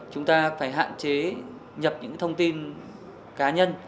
chúng ta phải hạn chế nhập những thông tin cá nhân